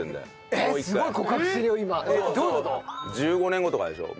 １５年後とかでしょ？